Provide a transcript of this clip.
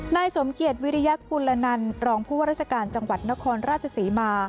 นายสมเกียจวิริยกุลนันรองผู้ว่าราชการจังหวัดนครราชศรีมา